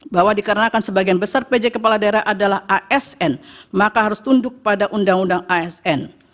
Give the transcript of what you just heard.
bahwa dikarenakan sebagian besar pj kepala daerah adalah asn maka harus tunduk pada undang undang asn